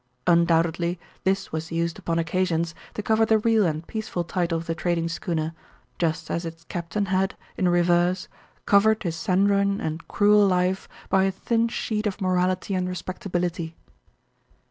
Undoubtedly this was used upon occasions to cover the real and peaceful title of the trading schooner, just as its captain had, in reverse, covered his sanguine and cruel life by a thin sheet of morality and respectability.